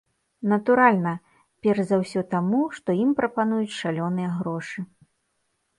Натуральна, перш за ўсё таму, што ім прапануюць шалёныя грошы.